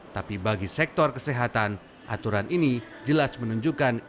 tapi bagi sektor kesehatan aturan ini jelas menunjukkan